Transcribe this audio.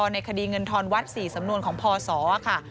ในคดีเงินทอนวัด๔สำนวนของพศค่ะ